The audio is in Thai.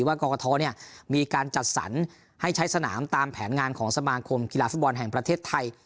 กรกฐมีการจัดสรรให้ใช้สนามตามแผนงานของสมาคมกีฬาฟุตบอลแห่งประเทศไทย